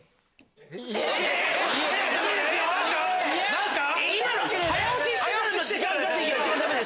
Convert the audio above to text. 何すか？